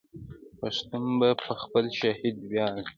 پښتون په خپل شهید ویاړي.